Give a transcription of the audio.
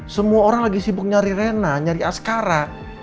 semua orang lagi sibuk nyari rena nyari askara